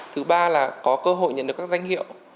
thứ ba là có cơ hội nhận được các danh hiệu